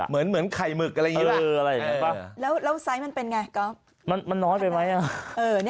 เหมือนไข่หมึกอะไรแบบนี้แหละ